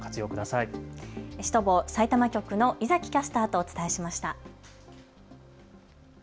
さいたま局の猪崎キャスターとお伝えしました。